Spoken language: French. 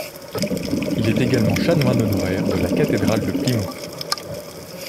Il est également chanoine honoraire de la cathédrale de Plymouth.